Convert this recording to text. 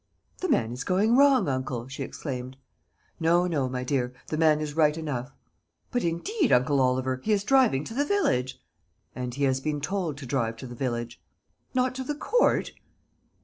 "The man is going wrong, uncle!" she exclaimed. "No, no, my dear; the man is right enough." "But indeed, uncle Oliver, he is driving to the village." "And he has been told to drive to the village." "Not to the Court?"